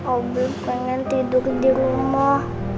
obi pengen tidur di rumah